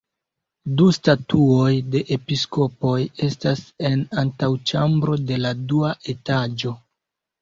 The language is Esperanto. Du statuoj de episkopoj estas en antaŭĉambro de la dua etaĝo.